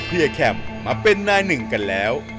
เฮียแคมมาเป็นนายหนึ่งกันแล้ว